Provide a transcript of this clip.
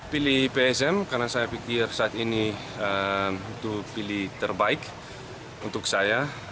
pilih psm karena saya pikir saat ini itu pilih terbaik untuk saya